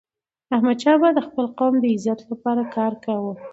احمدشاه بابا د خپل قوم د عزت لپاره کار کاوه.